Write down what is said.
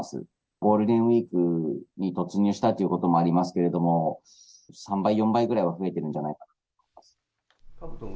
ゴールデンウィークに突入したということもありますけれども、３倍、４倍ぐらいは増えてるんじゃないかなと思います。